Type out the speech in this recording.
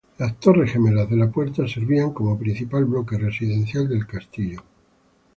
Las torres gemelas de la puerta servían como principal bloque residencial del castillo.